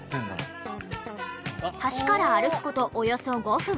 橋から歩く事およそ５分